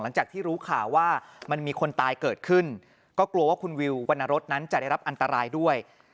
หลังจากที่รู้ข่าวว่ามันมีคนตายเกิดขึ้นก็กลัวว่าคุณวิววรรณรสนั้นจะได้รับอันตรายด้วย